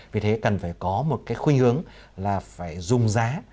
vì thế cần phải có một cái khuyên hướng là phải dùng giá